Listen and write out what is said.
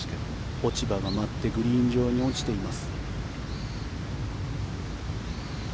落ち葉が舞ってグリーン上に落ちています。